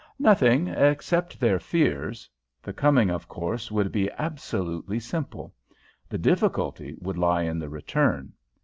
"Nothing, except their fears. The coming, of course, would be absolutely simple. The difficulty would lie in the return.